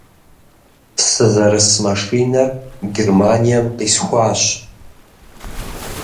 Сызэрыс машинэр Германием къисхуащ.